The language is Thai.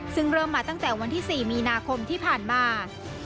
ซึ่งเริ่มมาตั้งแต่วันที่๔มีนาคมที่ผ่านมา